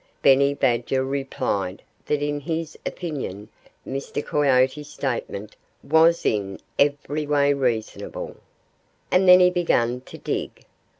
Benny Badger replied that in his opinion Mr. Coyote's statement was in every way reasonable. And then he began to dig.